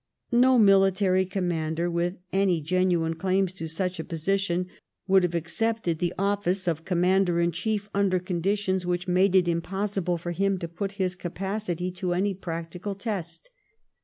No military commander with any genuine claims to such a position would have accepted the office of Commander in Chief under conditions which made it impossible for him to put his capacity to any prac tical test.